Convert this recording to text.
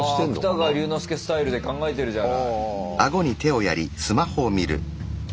あ芥川龍之介スタイルで考えてるじゃない。